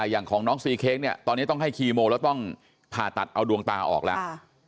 อย่างของน้องซีเค้กเนี่ยตอนนี้ต้องให้คีโมแล้วต้องผ่าตัดเอาดวงตาออกแล้ว